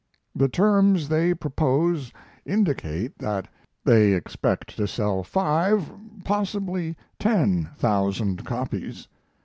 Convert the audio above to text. The terms they propose indicate that they expect to sell five, possibly ten thousand copies.